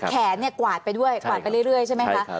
แขนกวาดไปเรื่อยใช่ไหมคะ